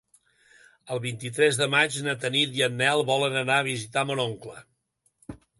El vint-i-tres de maig na Tanit i en Nel volen anar a visitar mon oncle.